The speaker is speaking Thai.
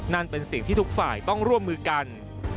นั่นเป็นสิ่งที่ทุกฝ่ายต้องร่วมมือกัน